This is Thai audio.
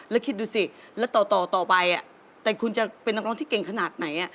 แล้วคิดดูสิแล้วต่อไปแต่คุณจะเป็นนักร้องที่เก่งขนาดไหน